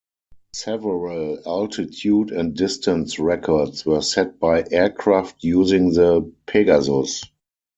Several altitude and distance records were set by aircraft using the Pegasus.